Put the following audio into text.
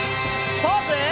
ポーズ！